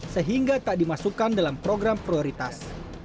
sehingga tak dimasukkan dalam program prioritas